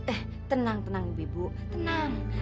eh tenang tenang ibu ibu tenang